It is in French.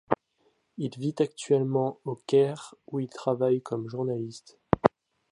Il vit actuellement au Caire, où il travaille comme journaliste.